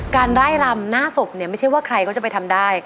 ไล่รำหน้าศพเนี่ยไม่ใช่ว่าใครก็จะไปทำได้